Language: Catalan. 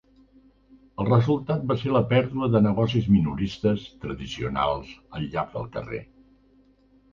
El resultat va ser la pèrdua de negocis minoristes tradicionals al llarg del carrer.